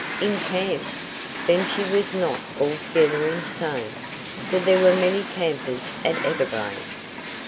In camp! Then she was not altogether insane, for there were many campers at Everglade.